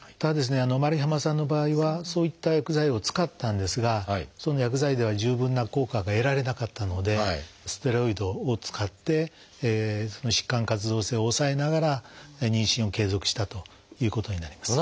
ただｍａｒｉｈａｍａさんの場合はそういった薬剤を使ったんですがその薬剤では十分な効果が得られなかったのでステロイドを使ってその疾患活動性を抑えながら妊娠を継続したということになります。